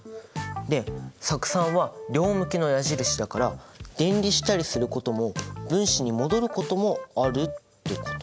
で酢酸は両向きの矢印だから電離したりすることも分子に戻ることもあるってこと？